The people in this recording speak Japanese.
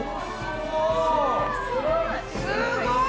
すごい！